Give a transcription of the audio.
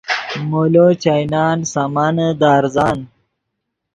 مولو چائینان سامانے دے ارزان